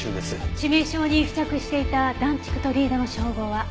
致命傷に付着していた暖竹とリードの照合は？